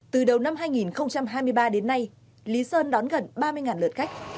từ đầu năm hai nghìn hai mươi ba đến nay lý sơn đón gần ba mươi lượt khách